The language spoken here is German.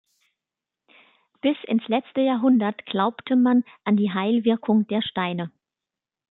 Bis ins letzte Jahrhundert glaubte man an die Heilwirkung der Steine.